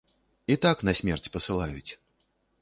І так на смерць пасылаюць.